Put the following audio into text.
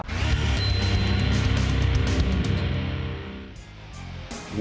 เพิ่มหนึ่ง